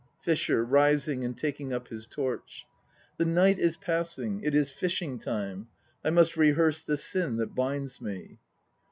FISHER (rising and taking up his torch). The night is passing. It is fishing time. I must rehearse the sin that binds me.